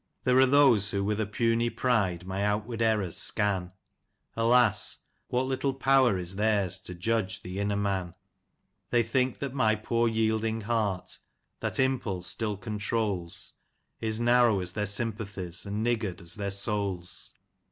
There are who with a puny pride my outward errors scan, Alas ! what little power is theirs to judge the inner man ! They think that my poor yielding heart, that impulse still controls. Is narrow as their sympathies, and niggard as their souls.